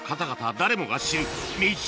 誰もが知るメシ